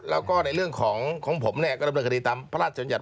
แล้วก็ในเรื่องของผมเนี่ยก็ดำเนื้อคดีฐาน